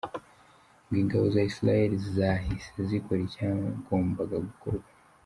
Ngo ingabo za Israel zahise zikora icyagombaga gukorwa.